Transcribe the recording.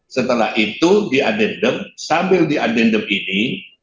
setelah itu diadendem sambil diadem ini